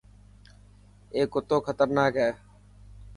اي ڪتو خطرناڪ هي.